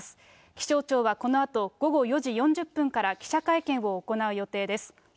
気象庁はこのあと午後４時４０分から記者会見を行う予定です。